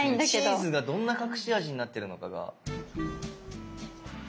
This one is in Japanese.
チーズがどんな隠し味になってるのかが。